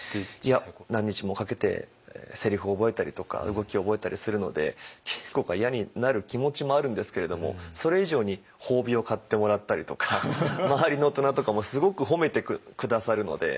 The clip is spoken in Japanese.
何日もかけてせりふを覚えたりとか動きを覚えたりするので稽古が嫌になる気持ちもあるんですけれどもそれ以上に褒美を買ってもらったりとか周りの大人とかもすごく褒めて下さるので。